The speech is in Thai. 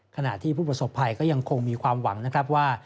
ขณะที่ผู้ประสบภัยก็ยังคงมีความหวังนะครับว่า